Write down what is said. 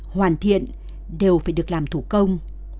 hoàn thiện đều phải được làm thủ công